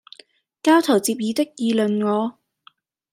交頭接耳的議論我，